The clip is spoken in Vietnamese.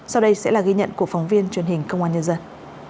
sau đây sẽ là ghi nhận của phóng viên truyền hình công an nhân dân